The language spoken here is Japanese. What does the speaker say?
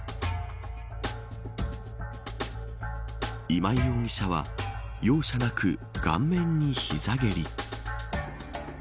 今井容疑者は容赦なく、顔面に膝蹴り。